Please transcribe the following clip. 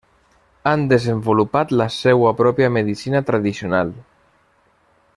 Han desenvolupat la seua pròpia medicina tradicional.